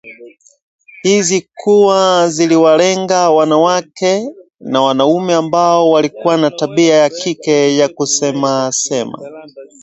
hizi kuwa ziliwalenga wanawake na wanaume ambao walikuwa na tabia ya kike ya kusemasema